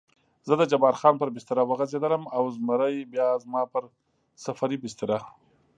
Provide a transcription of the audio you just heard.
زه د جبار خان پر بستره وغځېدم او زمری بیا زما پر سفرۍ بستره.